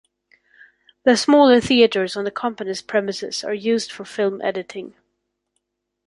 The smaller theatres on the company's premises are used for film editing.